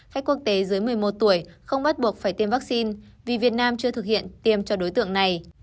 khách quốc tế dưới một mươi một tuổi không bắt buộc phải tiêm vaccine vì việt nam chưa thực hiện tiêm cho đối tượng này